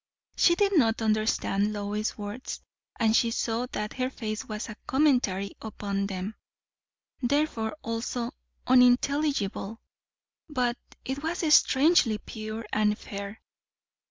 She did not understand Lois's words, and she saw that her face was a commentary upon them; therefore also unintelligible; but it was strangely pure and fair.